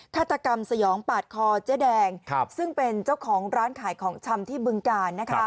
ฆาตกรรมสยองปาดคอเจ๊แดงซึ่งเป็นเจ้าของร้านขายของชำที่บึงกาล